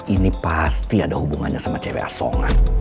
ini pasti ada hubungannya sama cewek asongan